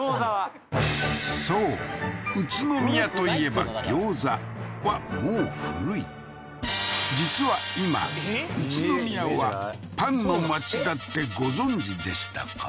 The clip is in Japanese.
そう宇都宮といえば餃子はもう古い実は今宇都宮はパンの街だってご存じでしたか？